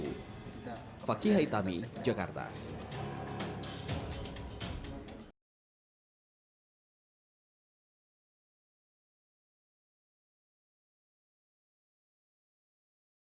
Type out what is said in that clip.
petugas juga mendapatkan peluang untuk menggabungkan karyawan tersebut